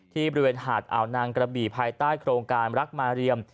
ที่บริเวณหาดอ่าวนางกระบี่ภายใต้โครงการรักมาเรียม